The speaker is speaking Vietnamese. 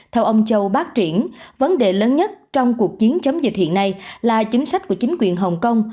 theo ông châu bác triển vấn đề lớn nhất trong cuộc chiến chống dịch hiện nay là chính sách của chính quyền hồng kông